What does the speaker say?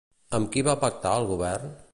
Amb qui va pactar al govern?